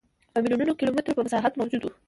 په میلیونونو کیلومترو په مساحت موجود و.